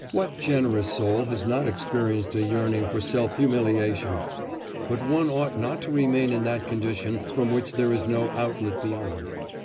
'What generous soul has not experienced a yearning for self humiliation? But one ought not to remain in that condition from which there is no outlet beyond.